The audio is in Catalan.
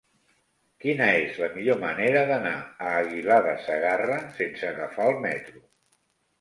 Quina és la millor manera d'anar a Aguilar de Segarra sense agafar el metro?